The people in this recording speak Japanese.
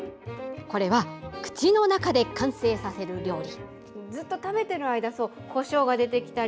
これは口の中で完成させる料理。